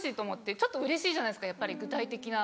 ちょっとうれしいじゃないですかやっぱり具体的な。